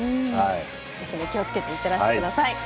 ぜひ気をつけて行ってらしてください。